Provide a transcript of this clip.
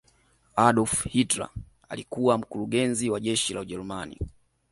adolf hilter alikuwa mkurugezi wa jeshi la ujerumani